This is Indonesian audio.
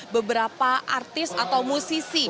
beberapa artis atau musik yang telah menerima penguasaan